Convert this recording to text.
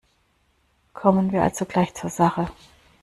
Kommen wir also gleich zur Sache.